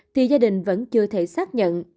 thì gia đình vẫn chưa thể xác nhận